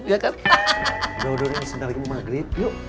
jodoh jodoh ini sedang di maghrib yuk